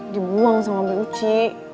dibuang sama bu uci